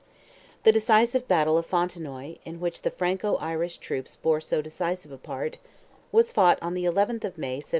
The decisive battle of Fontenoy, in which the Franco Irish troops bore so decisive a part, was fought on the 11th of May, 1745.